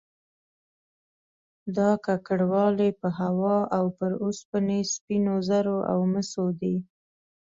دا ککړوالی په هوا او پر اوسپنې، سپینو زرو او مسو دی